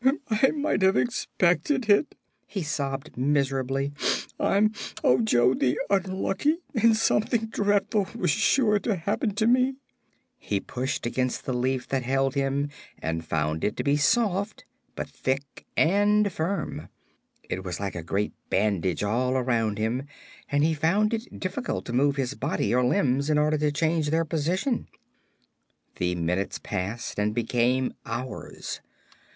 "I might have expected it," he sobbed, miserably. "I'm Ojo the Unlucky, and something dreadful was sure to happen to me." He pushed against the leaf that held him and found it to be soft, but thick and firm. It was like a great bandage all around him and he found it difficult to move his body or limbs in order to change their position. The minutes passed and became hours.